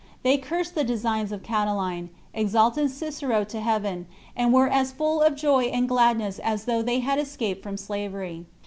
They cursed the designs of Catiline, exalted Cicero to heaven, and were as full of joy and gladness as though they had escaped from slavery.